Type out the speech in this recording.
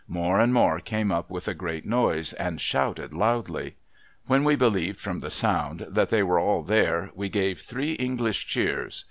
More and more came up with a great noise, and shouting loudly. When we believed from the sound that they were all there, we gave three English cheers.